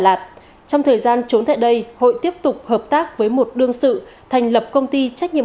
lạt trong thời gian trốn tại đây hội tiếp tục hợp tác với một đương sự thành lập công ty trách nhiệm